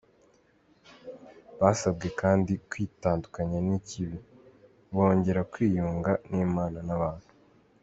Basabwe kandi kwitandukanya n’ikibi, bongera kwiyunga n’Imana n’abantu.